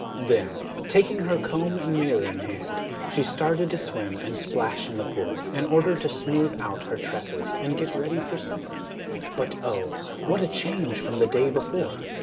Then, taking her comb and mirror in hand, she started to swim and splash in the pool, in order to smooth out her tresses and get ready for supper. But oh, what a change from the day before!